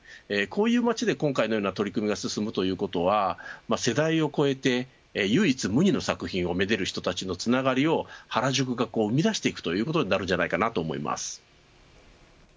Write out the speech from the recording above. こういう街で今回のような取り組みが進むということは世代を超えて唯一無二の作品を愛でる人たちのつながりを原宿が生み出していくということになると思います。